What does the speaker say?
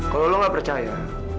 kalau lu nggak percaya